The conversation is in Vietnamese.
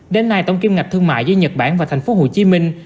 đến nay tổng kim ngạch thương mại giữa nhật bản và thành phố hồ chí minh